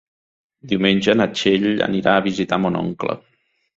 Diumenge na Txell anirà a visitar mon oncle.